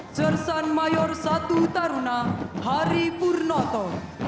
sersan mayor satu taruna hari purnoto